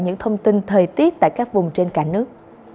những thông tin thời tiết tại các vùng trên cả nước